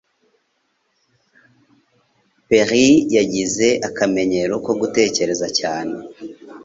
Perry yagize akamenyero ko gutekereza cyane.